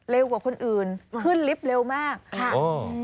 กว่าคนอื่นขึ้นลิฟต์เร็วมากค่ะ